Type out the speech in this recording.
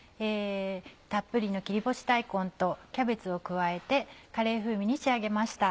たっぷりの切り干し大根とキャベツを加えてカレー風味に仕上げました。